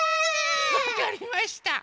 わかりました。